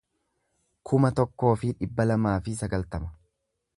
kuma tokkoo fi dhibba lamaa fi sagaltama